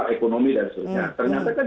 ekonomi dan sebagainya ternyata kan